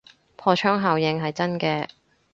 破窗效應係真嘅